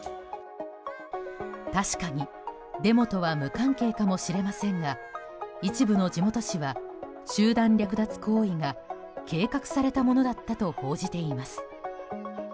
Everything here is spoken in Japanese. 確かに、デモとは無関係かもしれませんが一部の地元紙は集団略奪行為が計画されたものだったと報じています。